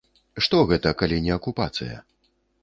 Што гэта, калі не акупацыя?